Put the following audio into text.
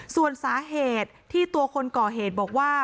ส่วนสาเหตุที่ตัวคนก่อเหตุบอกว่า